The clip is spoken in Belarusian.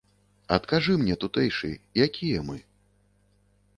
Адкажы мне, тутэйшы, якія мы?